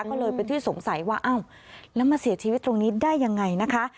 ก็เลยเป็นที่สงสัยว่าอ้าวแล้วมาเสียชีวิตตรงนี้ได้ยังไงนะคะ